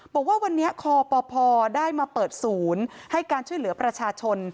บอกว่าวันนี้คปพได้มาเปิดศูนย์ให้การช่วยเหลือประชาชน